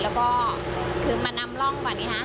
และก็คือมานำน่องกว่านี้ค่ะ